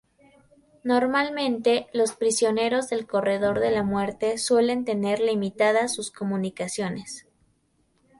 Normalmente, los prisioneros del corredor de la muerte suelen tener limitadas sus comunicaciones.